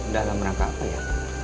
dalam rangka apa ya